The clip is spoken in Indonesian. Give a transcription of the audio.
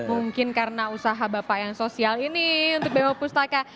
mungkin karena usaha bapak yang sosial ini untuk bewo pustaka